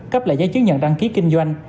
cấp lại giấy chứng nhận đăng ký kinh doanh